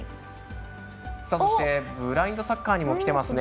ブラインドサッカーにもきていますね。